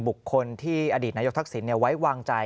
บุคคลที่อดีตนายกทักษิณไว้วางใจ